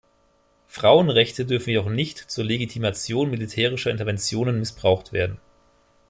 Frauenrechte dürfen jedoch nicht zur Legitimation militärischer Interventionen missbraucht werden.